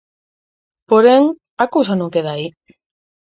Porén, a cousa non queda aí.